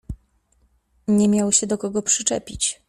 Nie miał się do kogo przyczepić.